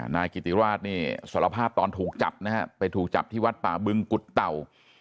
นายกิติราชนี่สารภาพตอนถูกจับนะฮะไปถูกจับที่วัดป่าบึงกุฎเต่า